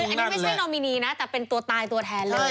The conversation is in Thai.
อันนี้ไม่ใช่นอมินีนะแต่เป็นตัวตายตัวแทนเลย